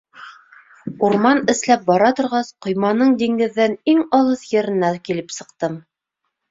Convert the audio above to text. Урман эсләп бара торғас, ҡойманың диңгеҙҙән иң алыҫ еренә килеп сыҡтым.